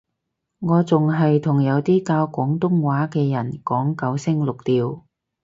我仲係同有啲教廣東話嘅人講九聲六調